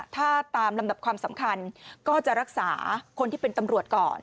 ถ้าตามลำดับความสำคัญก็จะรักษาคนที่เป็นตำรวจก่อน